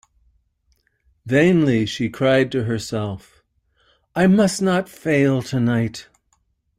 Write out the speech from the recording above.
Vainly she cried to herself, "I must not fail tonight."